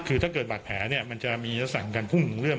คือถ้าเกิดบาดแผลเนี่ยมันจะมีลักษณะของการพุ่งเรื่อง